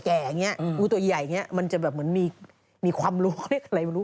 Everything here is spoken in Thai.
คือปกติเราจะเข้าใจว่ามันรัดจนแบบว่าเราหายใจไม่ได้